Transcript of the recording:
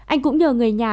anh cũng nhờ người nhà